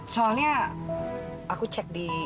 soalnya aku cek di